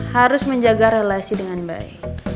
harus menjaga relasi dengan baik